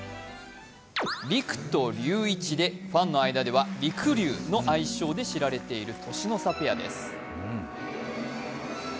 りくとりゅういちで、ファンの間では「りくりゅう」の愛称で知られている年の差ペアです。